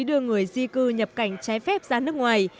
đưa người di cư nhập cảnh trái phép ra nước ngoài